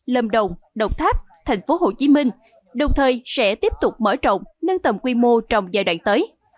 lâm đồng đồng tháp tp hcm đồng thời sẽ tiếp tục mở rộng nâng tầm quy mô trong giai đoạn tới